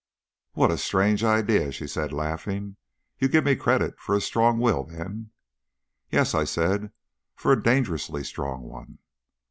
"What a strange idea!" she said, laughing. "You give me credit for a strong will then?" "Yes," I said. "For a dangerously strong one."